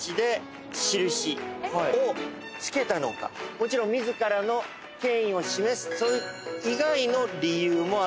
もちろん自らの権威を示す以外の理由もあるわけです。